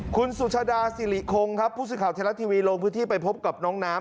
คุณสุชาดาสิริคงครับผู้สื่อข่าวไทยรัฐทีวีลงพื้นที่ไปพบกับน้องน้ำ